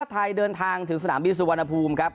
ไทยเดินทางถึงสนามบินสุวรรณภูมิครับ